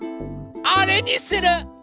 あれにする！